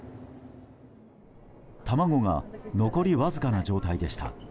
卵が残りわずかな状態でした。